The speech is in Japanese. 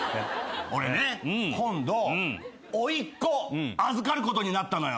俺ね今度甥っ子預かることになったのよ。